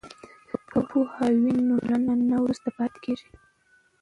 که پوهه وي نو ټولنه نه وروسته پاتې کیږي.